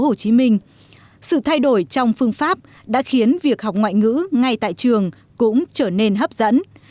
tuy nhiên sự thay đổi trong phương pháp đã khiến việc học ngoại ngữ ngay tại trường cũng trở nên hấp dẫn